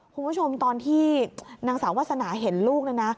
คุณผู้ชมตอนที่นางสาววัษนาเห็นลูก